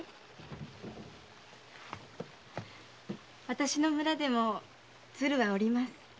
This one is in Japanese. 私の村でも鶴は折ります。